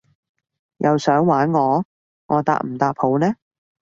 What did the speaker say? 又想玩我？我答唔答好呢？